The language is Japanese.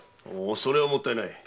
それはもったいない。